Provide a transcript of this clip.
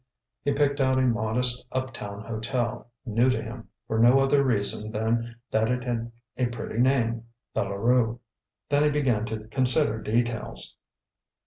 He picked out a modest, up town hotel, new to him, for no other reason than that it had a pretty name, The Larue. Then he began to consider details.